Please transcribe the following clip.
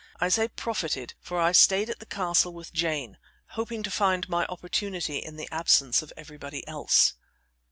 I say I profited, for I stayed at the castle with Jane, hoping to find my opportunity in the absence of everybody else.